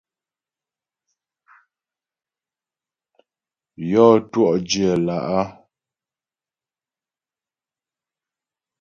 Yɔ́ twɔ̂'dyə̌ lá'.